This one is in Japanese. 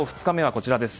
こちらがですね。